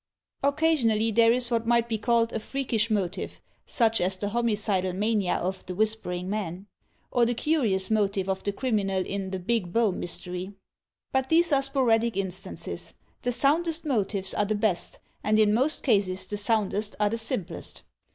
Occasionally there is what might be called a freakish motive, such as the homicidal mania of The Whispering Man; or the curious motive of the criminal in the "Big Bow Mys tery." But these are sporadic instances. The soundest motives are the best, and in most cases the soundest are the simplest.